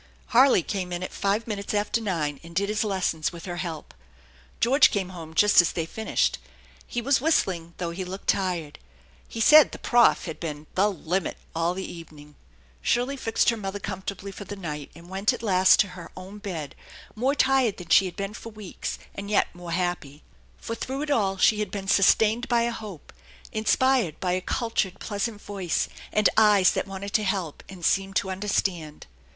Harley came in at five minutes after nine, and did his lessons with her help. George came home just as they finished* He was whistling, though he looked tired. He said " the prof." had been "the limit" all the evening. Shirley fixed her mother comfortably for the night, and went at last to her own bed, more tired than she had been for weeks, and yet more happy. For through it all she had been sustained by a hope; inspired by a cultured, pleasant voice, and eyes that wanted to help, and seemed to understand.